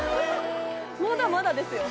まだまだですよ。